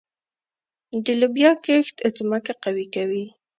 د لوبیا کښت ځمکه قوي کوي.